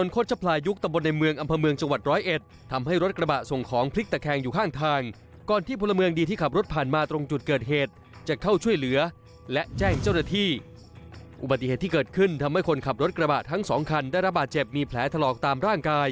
คือจะมาที่คนขับบาดจับส่งตัวทรงโรงพจบาล